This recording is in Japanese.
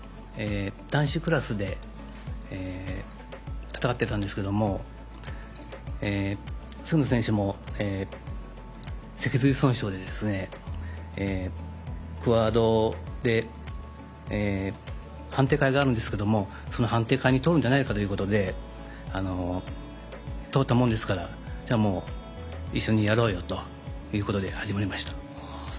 男子クラスで戦ってたんですけれども菅野選手も脊髄損傷でクアードで判定会があるんですけれどもその判定会に通んじゃないかということで通ったもんですからじゃあ、もう一緒にやろうよということで始まりました。